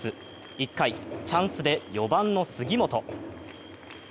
１回、チャンスで４番の杉本。